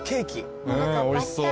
おいしそう。